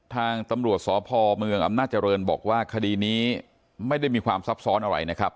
ทางตำรวจสพเมืองอำนาจริงบอกว่าคดีนี้ไม่ได้มีความซับซ้อนอะไรนะครับ